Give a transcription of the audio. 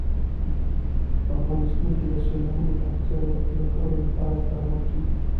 په افغانستان کې د سیلابونه د اړتیاوو پوره کولو لپاره اقدامات کېږي.